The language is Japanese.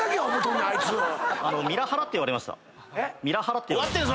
ミラハラって言われてました。